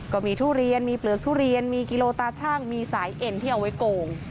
ทุเรียนมีเปลือกทุเรียนมีกิโลตาชั่งมีสายเอ็นที่เอาไว้โกง